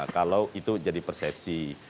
kalau itu jadi persepsi